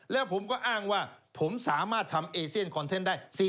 แล้วผมก็อ้างว่าผมสามารถทำเอเซียนคอนเทนต์ได้